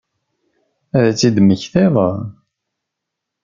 Ad tt-id-temmektiḍ?